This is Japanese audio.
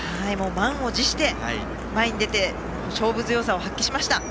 満を持して前に出て勝負強さを発揮しました。